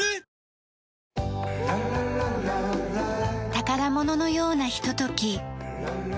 宝物のようなひととき。